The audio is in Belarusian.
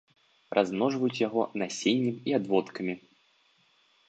Размножваюць яго насеннем і адводкамі.